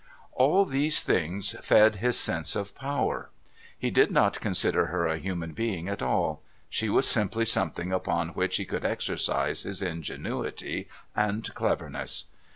All these things fed his sense of power. He did not consider her a human being at all; she was simply something upon which he could exercise his ingenuity and cleverness.